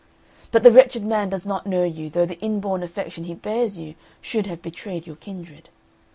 But the wretched man does not know you, though the inborn affection he bears you should have betrayed your kindred.